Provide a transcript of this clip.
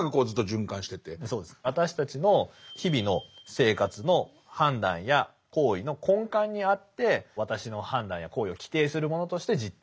私たちの日々の生活の判断や行為の根幹にあって私の判断や行為を規定するものとして「実体」というふうに呼んでる。